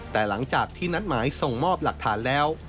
แต่หลังจากที่นัดหมายส่งมอบหลักฐานแล้ว